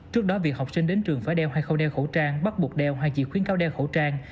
trước đó việc học sinh đến trường phải đeo hay khâu đeo khẩu trang bắt buộc đeo hay chỉ khuyến cáo đeo khẩu trang